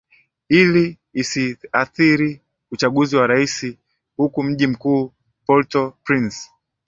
ili isiadhiri uchaguzi wa rais huku mji mkuu portal prince